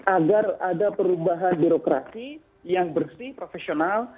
agar ada perubahan birokrasi yang bersih profesional